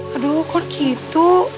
aduh kok gitu